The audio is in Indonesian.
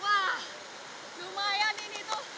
wah lumayan ini tuh